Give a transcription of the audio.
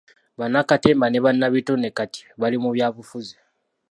Bannakatemba ne bannabitone kati bali mu byabufuzi.